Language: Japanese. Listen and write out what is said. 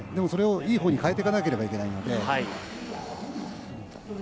それをいいほうに変えていかないといけないので。